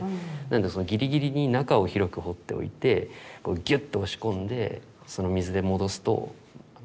なのでギリギリに中を広く彫っておいてギュッと押し込んで水で戻すとはまる。